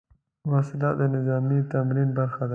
وسله د نظامي تمرین برخه ده